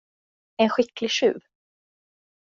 En skicklig tjuv?